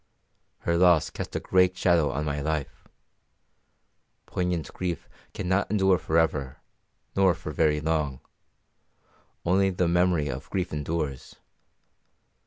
Her loss cast a great shadow on my life. Poignant grief cannot endure for ever, nor for very long; only the memory of grief endures.